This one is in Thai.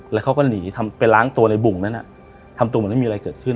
แล้วเขาก็หนีทำไปล้างตัวในบุ่งนั้นทำตัวเหมือนไม่มีอะไรเกิดขึ้น